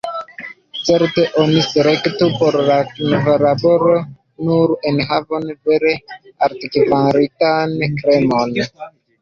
Certe, oni selektu por la kunlaboro nur enhavon vere altkvalitan, “kremon”.